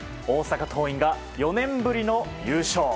大阪桐蔭が４年ぶりの優勝！